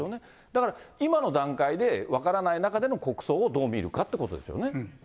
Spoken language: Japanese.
だから今の段階で分からない中での国葬をどう見るかということでしょうね。